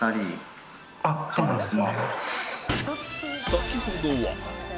先ほどは